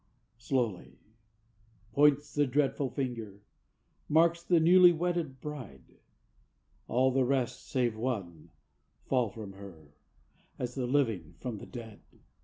Slowly points the dreadful finger, marks the newly wedded bride; All the rest, save one, fall from her, as the living from the dead.